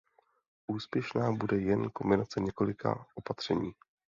Úspěšná bude jen kombinace několika opatření.